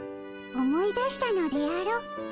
思い出したのであろ？